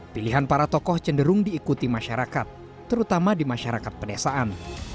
pilihan para tokoh cenderung diikuti masyarakat terutama di masyarakat pedesaan